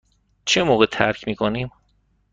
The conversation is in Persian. چه موقع ترک می کنیم؟